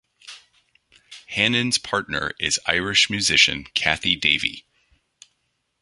Hannon's partner is Irish musician Cathy Davey.